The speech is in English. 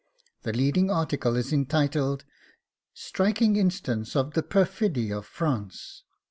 The leading article is entitled 'Striking Instance of the PERFIDY of France.